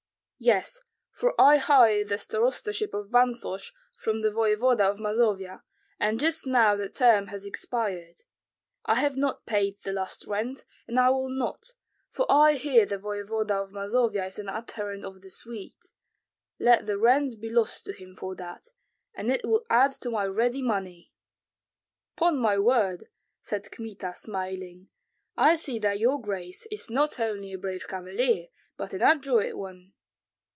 "Yes, for I hired the starostaship of Vansosh from the voevoda of Mazovia, and just now the term has expired. I have not paid the last rent, and I will not, for I hear the voevoda of Mazovia is an adherent of the Swedes. Let the rent be lost to him for that, and it will add to my ready money." "'Pon my word," said Kmita, smiling, "I see that your grace is not only a brave cavalier, but an adroit one."